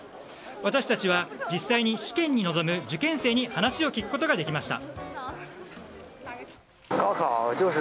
私たちは実際に試験に臨む受験生に話を聞くことができました。